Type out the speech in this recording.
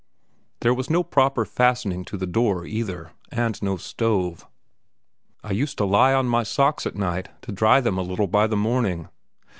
There was no proper fastening to the door, either, and no stove. I used to lie on my socks at night to dry them a little by the morning.